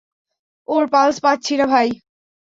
ওর pulse পাচ্ছি না, ভাই।